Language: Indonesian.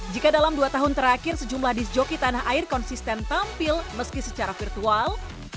jika dalam dua tahun terakhir sejumlah disc joki tanah air konsisten tampil meski secara virtual